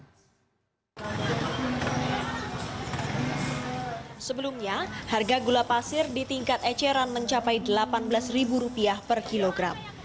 sebelumnya harga gula pasir di tingkat eceran mencapai delapan belas ribu rupiah per kilogram